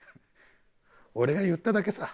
俺が言っただけさ。